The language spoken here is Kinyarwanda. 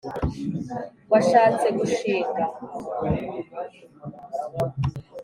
Washatse gushinga